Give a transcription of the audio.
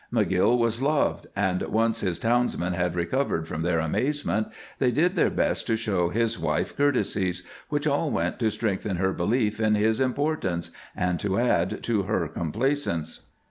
McGill was loved, and, once his townsmen had recovered from their amazement, they did their best to show his wife courtesies, which all went to strengthen her belief in his importance and to add to her complacence.